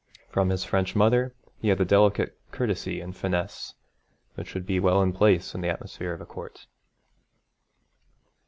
From his French mother he had the delicate courtesy and finesse which would be well in place in the atmosphere of a court.